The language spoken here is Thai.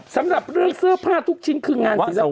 สำหรับเรื่องเสื้อผ้าทุกชิ้นคืองานศิลป